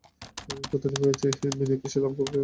আমি কতদিন ভেবেছি বিনয়কে সে লাভ করবে এমন ভাগ্যবতী কে আছে।